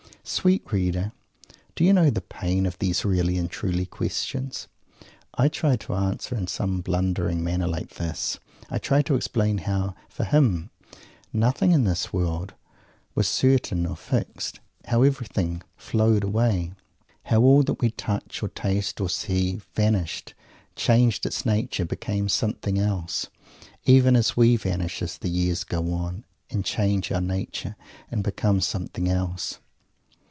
Sweet reader, do you know the pain of these "really and truly" questions? I try to answer in some blundering manner like this. I try to explain how, for him, nothing in this world was certain or fixed; how everything "flowed away"; how all that we touch or taste or see, vanished, changed its nature, became something else, even as we vanish, as the years go on, and change our nature and become something else.